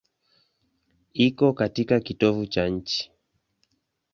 Iko katika kitovu cha nchi.